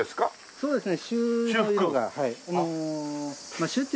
そうですね。